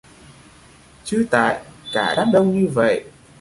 chứ tại cả đám đông như vậy